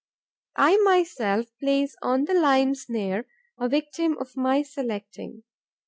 I myself place on the lime snare a victim of my selecting.